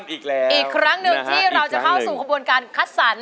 อีกแล้วอีกครั้งหนึ่งที่เราจะเข้าสู่ขบวนการคัดสรร